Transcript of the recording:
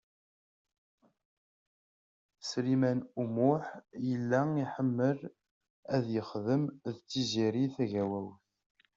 Sliman U Muḥ yella iḥemmel ad yexdem d Tiziri Tagawawt.